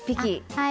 はい。